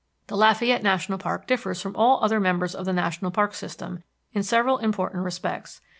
The Lafayette National Park differs from all other members of the national parks system in several important respects.